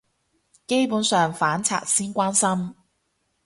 基本上反賊先關心